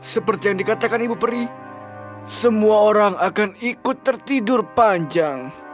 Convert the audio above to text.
seperti yang dikatakan ibu peri semua orang akan ikut tertidur panjang